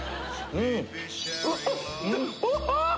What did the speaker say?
うん！